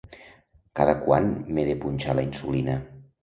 Cada quant m'he de punxar la insulina?